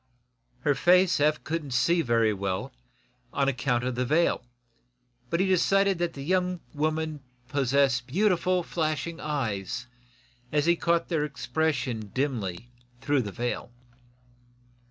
Her face Eph couldn't see very well, on account of the veil, but he decided that the young woman possessed beautiful, flashing eyes, as he caught their expression dimly through the veil.